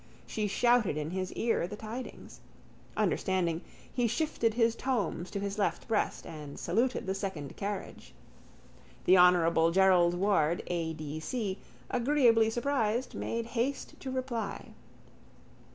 She shouted in his ear the tidings. Understanding, he shifted his tomes to his left breast and saluted the second carriage. The honourable Gerald Ward A. D. C., agreeably surprised, made haste to reply.